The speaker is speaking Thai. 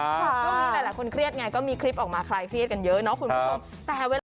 ช่วงนี้หลายคนเครียดไงก็มีคลิปออกมาคลายเครียดกันเยอะเนาะคุณผู้ชมแต่เวลา